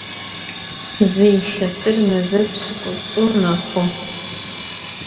Zı yilhesır meze pş'ık'ut'u mexhu.